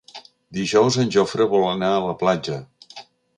Dijous en Jofre vol anar a la platja.